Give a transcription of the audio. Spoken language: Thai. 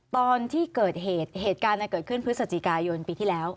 ตอนที่เกิดเหตุเหตุการณ์เกิดขึ้นพฤศจิกายนปีที่แล้ว